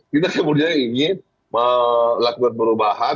kita kemudian ingin melakukan perubahan